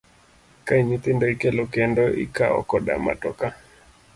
Kae nyithindo ikelo kendo ikawo koda matoka.